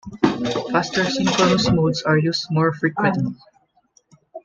Faster synchronous modes are used more frequently.